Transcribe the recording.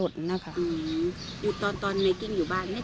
ดรมดรสแม่ย๓โอเค